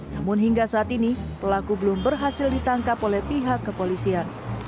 namun hingga saat ini pelaku belum berhasil ditangkap oleh pihak kepolisian